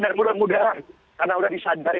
dan mudah mudahan karena sudah disadari